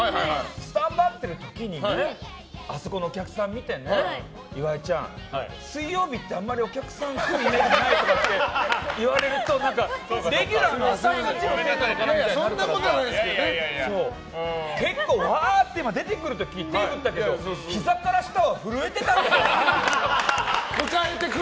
スタンバっている時にあそこのお客さん見て岩井ちゃん、水曜日ってあんまりお客さん来るイメージないって言われると、レギュラーがみたいなことになるからさ。結構わーって出てくる時手を振ったけど、ひざから下は震えてたんだから！